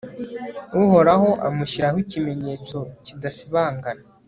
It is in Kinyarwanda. uhoraho amushyiraho ikimenyetso kidasibangana